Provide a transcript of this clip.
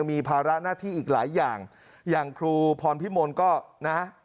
มีภาระหน้าที่อีกหลายอย่างอย่างครูพรพิมลก็นะฮะ